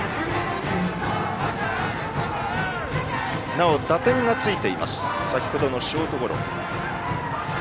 なお打点がついています先程のショートゴロ。